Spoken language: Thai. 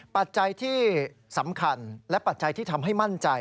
ปัจจัยที่สำคัญและปัจจัยที่ทำให้มั่นใจ